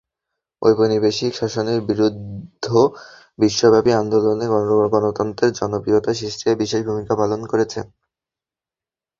ঔপনিবেশিক শাসনের বিরুদ্ধ বিশ্বব্যাপী আন্দোলনে গণতন্ত্রের জনপ্রিয়তা সৃষ্টিতে বিশিষ্ট ভূমিকা পালন করেছে।